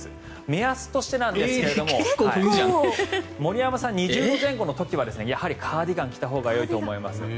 目安なんですけど森山さん、２０度前後の時はやはりカーディガン着たほうがよいと思います。